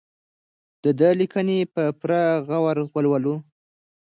د ده لیکنې په پوره غور ولولو.